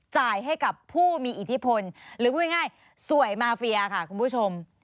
จ่ายให้กับผู้มีอิทธิพลหรือพูดง่ายสวยมาเฟียค่ะคุณผู้ชม